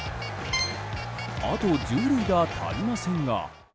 あと１０塁打足りませんが。